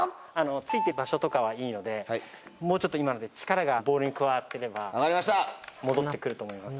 突いてる場所とかはいいのでもうちょっと今ので力がボールに加わってれば戻って来ると思います。